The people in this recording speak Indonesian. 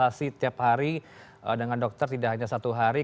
vaksinasi tiap hari dengan dokter tidak hanya satu hari